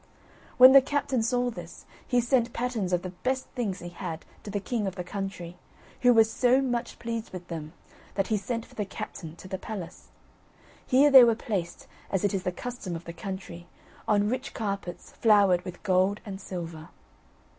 When the captain saw this, he sent patterns of the best things he had to the king of the country; who was so much pleased with them, that he sent for the captain to the palace. Here they were placed, as it is the custom of the country, on rich carpets flowered with gold and silver.